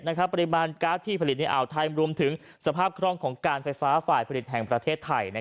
ปริมาณการ์ดที่ผลิตในอ่าวไทยรวมถึงสภาพคล่องของการไฟฟ้าฝ่ายผลิตแห่งประเทศไทย